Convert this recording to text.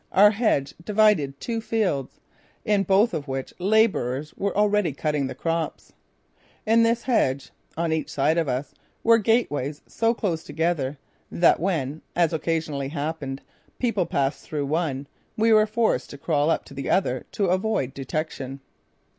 Our hedge divided two fields, in both of which labourers were already cutting the crops. In this hedge, on each side of us, were gateways so close together that when, as occasionally happened, people passed through one, we were forced to crawl up to the other to avoid detection.